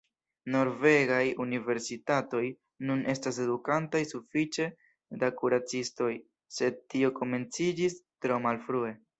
Norvegaj universitatoj nun estas edukantaj sufiĉe da kuracistoj, sed tio komenciĝis tro malfrue.